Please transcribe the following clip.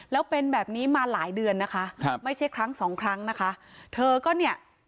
แล้วเป็นแบบนี้มาหลายเดือนนะคะครับไม่ใช่ครั้งสองครั้งนะคะเธอก็เนี่ย